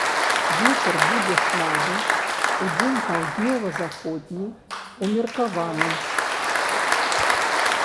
Вецер будзе слабы, удзень паўднёва-заходні, умеркаваны.